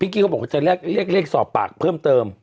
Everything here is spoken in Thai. กี้เขาบอกว่าจะเรียกสอบปากเพิ่มเติม